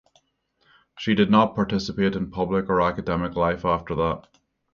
She did not participate in public or academic life after that.